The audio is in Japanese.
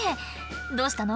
「どうしたの？